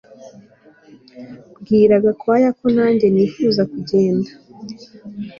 Bwira Gakwaya ko nanjye nifuza kugenda